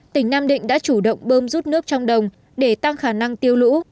tỉnh nam định đã chủ động bơm rút nước trong đồng để tăng khả năng tiêu lũ